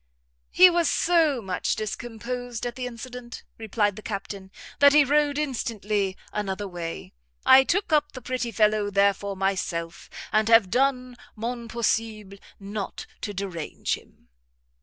"He was so much discomposed at the incident," replied the Captain, "that he rode instantly another way. I took up the pretty fellow therefore myself, and have done mon possible not to derange him."